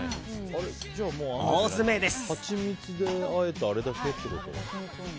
大詰めです。